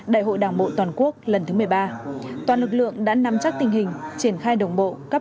đại hội đảng bộ toàn quốc lần thứ một mươi ba toàn lực lượng đã nắm chắc tình hình triển khai đồng bộ các